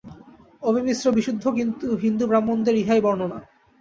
অবিমিশ্র বিশুদ্ধ হিন্দু ব্রাহ্মণদের ইহাই বর্ণনা।